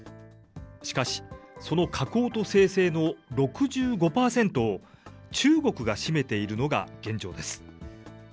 しかし、その加工と精製の６５％を中国が占めているのが現状です。